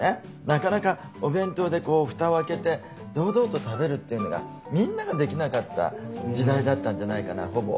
なかなかお弁当でこう蓋を開けて堂々と食べるっていうのがみんなができなかった時代だったんじゃないかなほぼ。